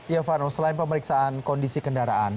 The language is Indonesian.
ya vano selain pemeriksaan kondisi kendaraan